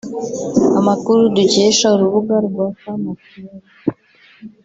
Amakuru dukesha urubuga rwa femme actuelle